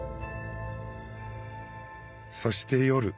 そして夜。